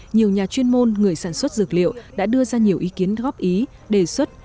nhiều nhà chuyên môn người sản xuất dược liệu đã đưa ra nhiều ý kiến góp ý đề xuất